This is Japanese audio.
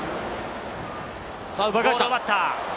ボールを奪った。